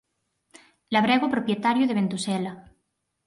Labrego propietario de Ventosela.